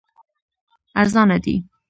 ارزانه دي.